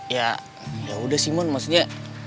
ya ya udah sih mon maksudnya